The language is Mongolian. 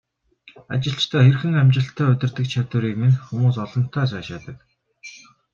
Ажилчдаа хэрхэн амжилттай удирддаг чадварыг минь хүмүүс олонтаа сайшаадаг.